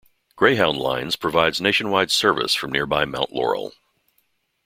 Greyhound Lines provides nationwide service from nearby Mount Laurel.